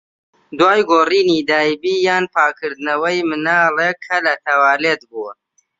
دوای گۆڕینی دایبی یان پاکردنەوەی مناڵێک کە لە توالێت بووە.